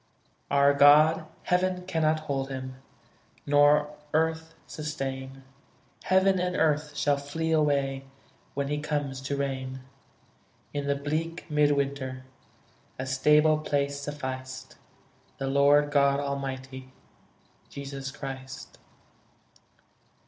Our God, heaven cannot hold Him, Nor earth sustain; Heaven and earth shall flee away When He comes to reign: In the bleak mid winter A stable place sufficed The Lord God Almighty, Jesus Christ.